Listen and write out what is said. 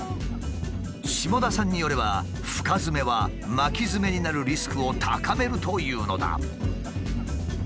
下田さんによれば深ヅメは巻きヅメになるリスクを高めるというのだ。